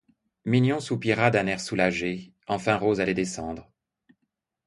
Mignon soupira d'un air soulagé; enfin Rose allait descendre.